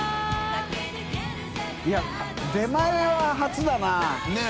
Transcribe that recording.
い出前は初だな。ねぇ。